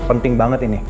penting banget ini